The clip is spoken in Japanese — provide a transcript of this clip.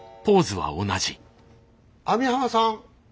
網浜さん？